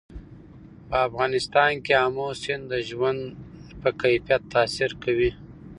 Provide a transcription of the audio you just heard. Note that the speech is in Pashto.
په افغانستان کې آمو سیند د ژوند په کیفیت تاثیر کوي.